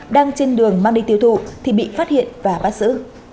đang trên đường mang đi tiêu thụ thì bị phát hiện và bắt giữ